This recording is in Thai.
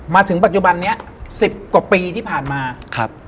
มาถึงปัจจุบันนี้๑๐กว่าปีที่ผ่านมา